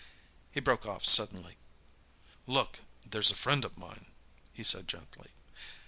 He broke off suddenly. "Look, there's a friend of mine!" he said gently.